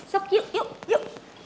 sok yuk yuk yuk